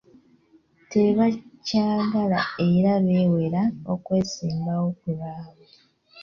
Tebaakyagala era beewera okwesimbawo ku lwabwe.